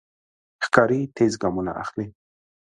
ښکاري تېز ګامونه اخلي.